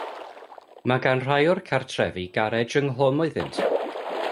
Mae gan rai o'r cartrefi garej ynghlwm iddynt.